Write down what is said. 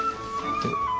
えっ。